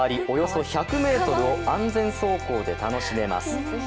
およそ１００ｍを安全走行で楽しめます。